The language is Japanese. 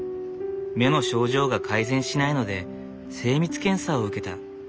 目の症状が改善しないので精密検査を受けた。